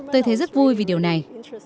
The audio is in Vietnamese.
tôi thấy rất vui vì điều này